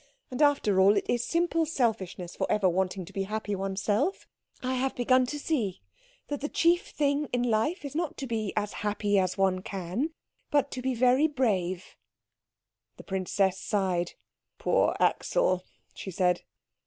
And after all, it is simple selfishness for ever wanting to be happy oneself. I have begun to see that the chief thing in life is not to be as happy as one can, but to be very brave." The princess sighed. "Poor Axel," she said.